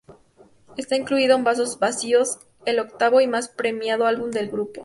Está incluido en "Vasos vacíos", el octavo y más premiado álbum del grupo.